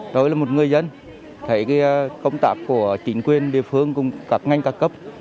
rồi là một người dân thấy công tác của chính quyền địa phương cùng các ngành các cấp